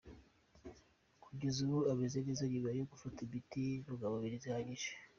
Kugeza ubu ameze neza nyuma yo gufata imiti n’intungamubiri zihagije.